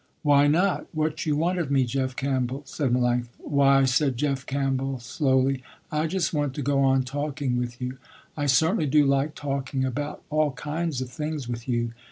"Why not, what you want of me Jeff Campbell?" said Melanctha. "Why," said Jeff Campbell slowly, "I just want to go on talking with you. I certainly do like talking about all kinds of things with you.